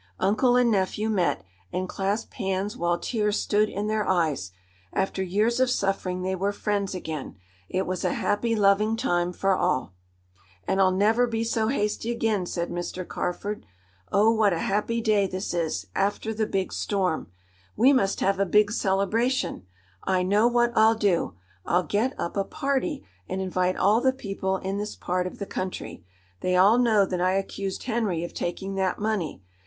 Uncle and nephew met, and clasped hands while tears stood in their eyes. After years of suffering they were friends again. It was a happy, loving time for all. "And I'll never be so hasty again," said Mr. Carford. "Oh, what a happy day this is, after the big storm! We must have a big celebration. I know what I'll do. I'll get up a party, and invite all the people in this part of the country. They all know that I accused Henry of taking that money.